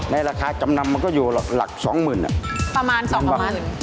ไม่ราคาจำนำก็อยู่หลังประมาณ๒๐๐๐๐อ่ะ